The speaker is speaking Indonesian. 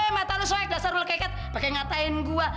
mata lu soek dasar lu lekeket pakai ngatain gua